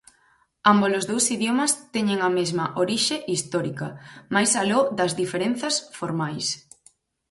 Ámbolos dous idiomas teñen a mesma orixe histórica máis aló das diferenzas formais.